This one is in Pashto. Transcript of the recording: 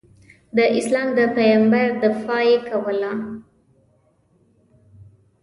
د اسلام د پیغمبر دفاع یې کوله.